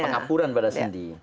pengapuran pada sendi